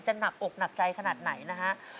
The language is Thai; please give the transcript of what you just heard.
หนักอกหนักใจขนาดไหนนะฮะ